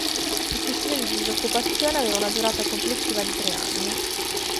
Il sussidio di disoccupazione aveva una durata complessiva di tre anni.